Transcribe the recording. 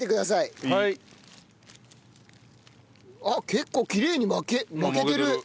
あっ結構きれいに巻けてる。